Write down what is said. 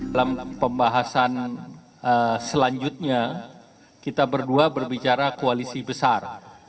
dalam pembahasan selanjutnya kita berdua berbicara koalisi besar